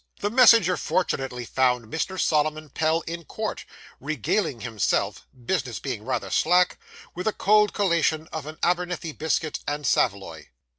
The messenger fortunately found Mr. Solomon Pell in court, regaling himself, business being rather slack, with a cold collation of an Abernethy biscuit and a saveloy.